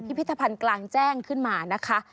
พิธภัณฑ์กลางแจ้งขึ้นมานะคะ